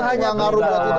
nggak ngaruh buat itu